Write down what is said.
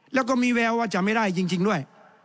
แล้วก็มีแววว่าจะไม่ได้จริงด้วย